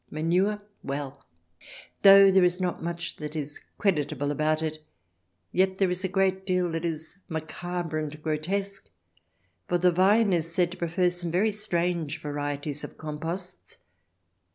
Manure !— well, though there is not much that is creditable about it, yet there is a great deal that is macabre and grotesque. For the vine is said to prefer some very strange varieties of composts.